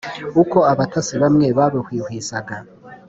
uko abatasi bamwe babihwihwisaga.